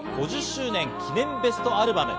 ５０周年記念ベストアルバム』